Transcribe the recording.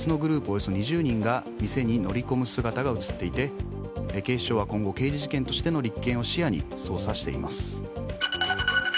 およそ２０人が店に乗り込む姿が映っていて警視庁は今後刑事事件としての立件を視野に捜査しています。